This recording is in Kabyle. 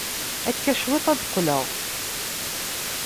Akka cwiṭ ad d-qqleɣ.